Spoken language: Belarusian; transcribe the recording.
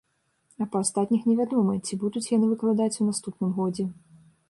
А па астатніх не вядома, ці будуць яны выкладаць у наступным годзе.